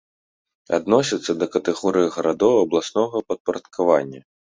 Адносіцца да катэгорыі гарадоў абласнога падпарадкавання.